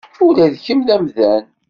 Ula d kemm d amdan.